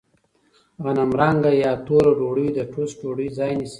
غنمرنګه یا توره ډوډۍ د ټوسټ ډوډۍ ځای نیسي.